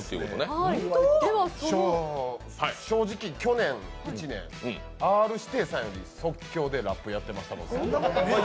正直、去年１年、Ｒ−指定さんより即興でラップやってました。